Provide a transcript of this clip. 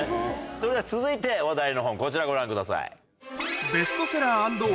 それでは続いて話題の本こちらご覧ください。